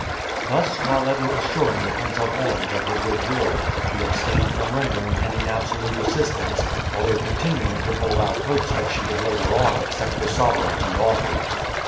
Thus, while ever assuring the Prince of Orange of her good will, she abstained from rendering any absolute assistance, although continuing to hold out hopes that she would later on accept the sovereignty offered.